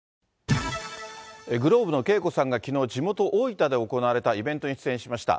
ｇｌｏｂｅのＫＥＩＫＯさんがきのう、地元、大分で行われたイベントに出演しました。